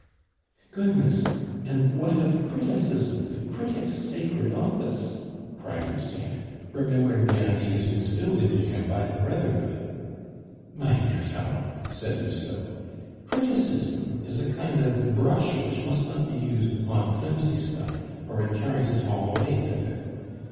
"Goodness! and what of criticism, the critic's sacred office?" cried Lucien, remembering the ideas instilled into him by the brotherhood. "My dear fellow," said Lousteau, "criticism is a kind of brush which must not be used upon flimsy stuff, or it carries it all away with it.